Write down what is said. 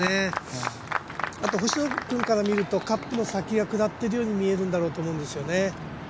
あと星野君から見るとカップの先が下っているように見えるんだろうと思いますね。